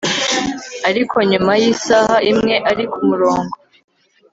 ariko nyuma yisaha imwe ari kumurongo